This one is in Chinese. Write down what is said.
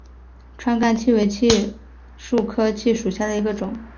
川甘槭为槭树科槭属下的一个种。